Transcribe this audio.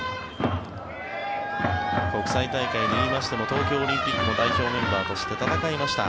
国際大会でいいましても東京オリンピックも代表メンバーとして戦いました。